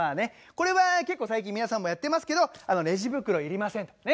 これは結構最近皆さんもやってますけど「レジ袋いりません」ね。